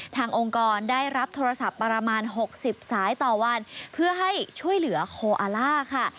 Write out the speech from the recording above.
องค์กรได้รับโทรศัพท์ประมาณ๖๐สายต่อวันเพื่อให้ช่วยเหลือโคอาล่าค่ะ